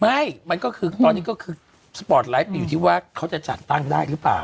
ไม่มันก็คือตอนนี้ก็คือสปอร์ตไลท์ไปอยู่ที่ว่าเขาจะจัดตั้งได้หรือเปล่า